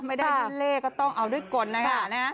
ไม่ได้เล่นเล่กก็ต้องเอาด้วยกลนะครับ